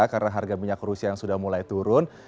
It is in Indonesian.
karena harga minyak rusia yang sudah mulai turun